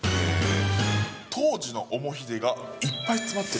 当時のおもひでがいっぱい詰まってる。